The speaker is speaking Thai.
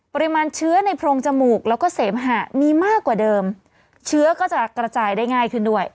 ปริมาณเชื้อในโพรงจมูกแล้วก็เสมหะมีมากกว่าเดิมเชื้อก็จะกระจายได้ง่ายขึ้นด้วย